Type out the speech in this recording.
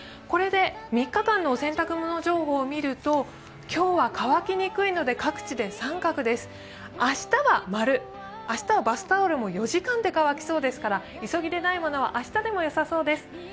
これで３日間のお洗濯物情報を見ると今日は乾きにくいので各地で△です。明日は○、明日はバスタオルも４時間で乾きそうですから、急ぎでないものは明日でもよさそうです。